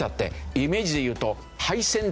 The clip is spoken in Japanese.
イメージでいうと。